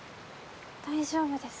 大丈夫です。